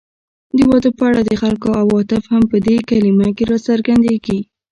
د واده په اړه د خلکو عواطف هم په دې کلمه کې راڅرګندېږي